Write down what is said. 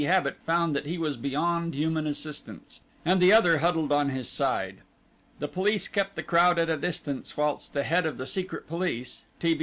Habit found that he was beyond human assistance) and the other huddled on his side. The police kept the crowd at a distance whilst the head of the secret police (T. B.